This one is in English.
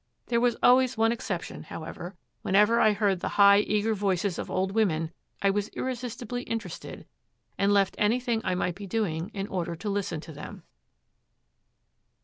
There was always one exception, however: whenever I heard the high eager voices of old women, I was irresistibly interested, and left anything I might be doing in order to listen to them.